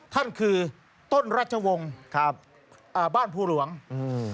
ท่านคือต้นราชวงศ์บ้านภูรวงศ์